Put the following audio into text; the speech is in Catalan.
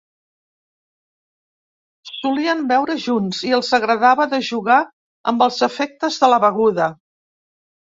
Solien beure junts i els agradava de jugar amb els efectes de la beguda.